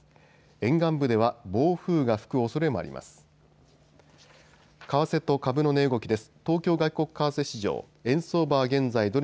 沿岸部では暴風が吹くおそれもあります。